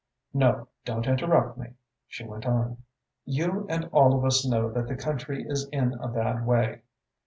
No, don't interrupt me," she went on. "You and all of us know that the country is in a bad way.